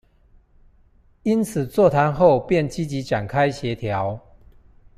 因此座談後便積極展開協調